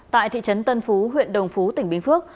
tại thị trấn tân phú huyện đồng phú tỉnh bình phước